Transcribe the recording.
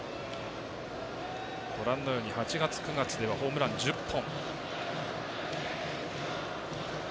８月、９月ではホームラン１０本。